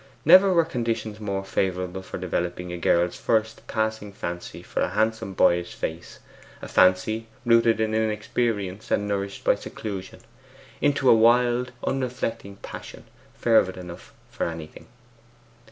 Never were conditions more favourable for developing a girl's first passing fancy for a handsome boyish face a fancy rooted in inexperience and nourished by seclusion into a wild unreflecting passion fervid enough for anything.